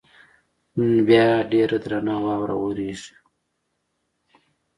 نن بیا ډېره درنه واوره ورېږي.